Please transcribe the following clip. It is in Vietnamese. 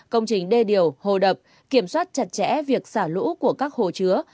công trình đê điều hồ đập kiểm soát chặt chẽ việc xả lũ của các hồ chứa